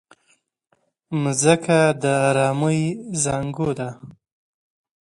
مځکه د ارامۍ زانګو ده.